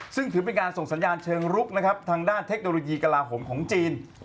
ซึ่งถือเป็นการส่งสัญญาณเชิงลุกนะครับทางด้านเทคโนโลยีกลาโหมของจีน